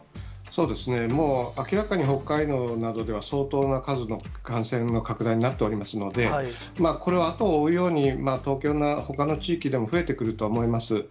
もう明らかに北海道などでは相当な数の感染の拡大になっておりますので、これは後を追うように、東京など、ほかの地域でも増えてくると思います。